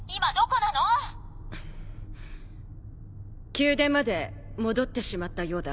宮殿まで戻ってしまったようだ。